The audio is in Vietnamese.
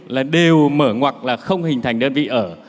là đều mở ngoặc là không hình thành đơn vị ở